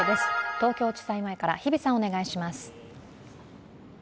東京地裁前から日比さんお願いします。